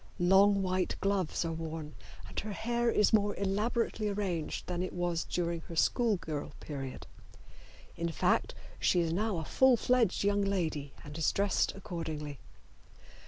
Long white gloves are worn, and her hair is more elaborately arranged than it was during her school girl period. In fact, she is now a full fledged young lady and is dressed accordingly.